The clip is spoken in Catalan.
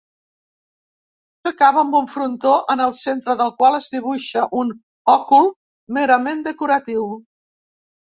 S'acaba amb un frontó en el centre del qual es dibuixa un òcul merament decoratiu.